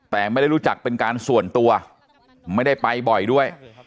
แต่ไม่ได้รู้จักเป็นการส่วนตัวไม่ได้ไปบ่อยด้วย